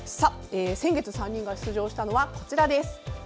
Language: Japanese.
先月３人が出場したのはこちらです。